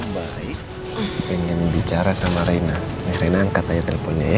mbaik pengen bicara sama rena ini rena angkat aja teleponnya ya